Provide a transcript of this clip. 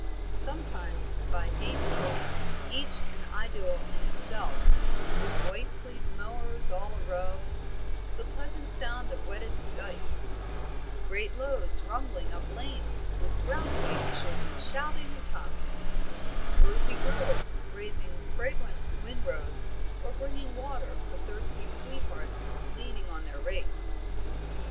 Sometimes by hayfields, each an idyl in itself, with white sleeved mowers all arow; the pleasant sound of whetted scythes; great loads rumbling up lanes, with brown faced children shouting atop; rosy girls raising fragrant winrows or bringing water for thirsty sweethearts leaning on their rakes.